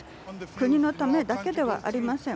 国のためだけではありません。